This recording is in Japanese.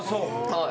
はい。